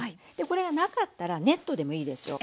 これがなかったらネットでもいいですよ。